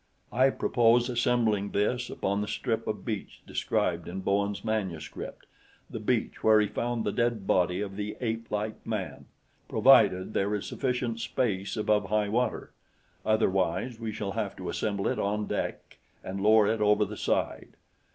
I purpose assembling this upon the strip of beach described in Bowen's manuscript the beach where he found the dead body of the apelike man provided there is sufficient space above high water; otherwise we shall have to assemble it on deck and lower it over the side.